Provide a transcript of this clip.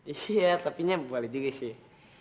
iya tapi boleh juga sih